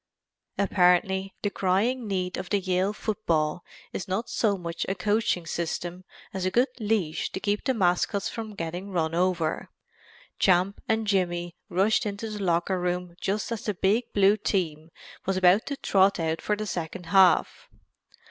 Apparently the crying need of Yale football is not so much a coaching system as a good leash to keep the mascots from getting run over. Champ and Jimmy rushed into the locker room just as the big Blue team was about to trot out for the second half.